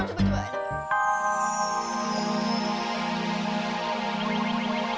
sampai jumpa lagi